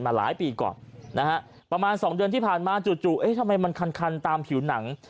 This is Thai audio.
หลายปีก่อนนะฮะประมาณ๒เดือนที่ผ่านมาจู่เอ๊ะทำไมมันคันตามผิวหนัง